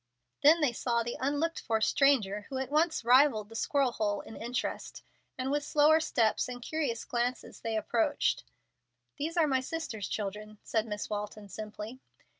Then they saw the unlooked for stranger, who at once rivalled the squirrel hole in interest, and with slower steps, and curious glances, they approached. "These are my sister's children," said Miss Walton, simply.